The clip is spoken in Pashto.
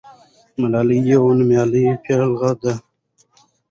ملالۍ یوه نومیالۍ پیغله ده.